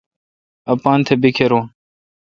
اپان تھ بیکھر رون۔